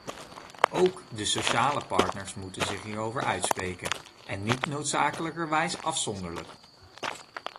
Ook de sociale partners moeten zich hierover uitspreken, en niet noodzakelijkerwijs afzonderlijk.